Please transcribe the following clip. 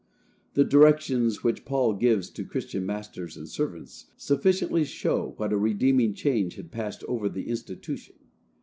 The directions which Paul gives to Christian masters and servants sufficiently show what a redeeming change had passed over the institution.